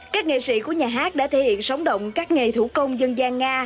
các nghệ sĩ của nhà hát đã thể hiện sóng động các nghề thủ công dân gian nga